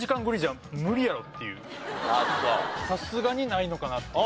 さすがにないのかなっていう。